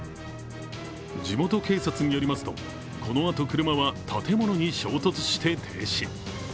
地元警察によりますとこのあと車は建物に衝突して停止。